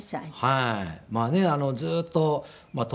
はい。